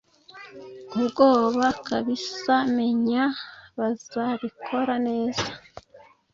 ubwoba kabsamenya bazabikora neza